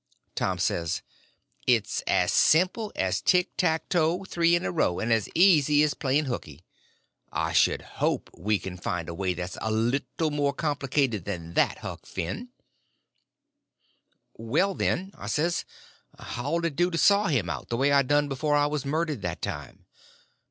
Tom says: "It's as simple as tit tat toe, three in a row, and as easy as playing hooky. I should hope we can find a way that's a little more complicated than that, Huck Finn." "Well, then," I says, "how 'll it do to saw him out, the way I done before I was murdered that time?"